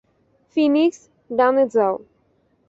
Phoenix, ডানে যাও!